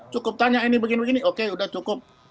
cukup tanya ini begini begini oke sudah cukup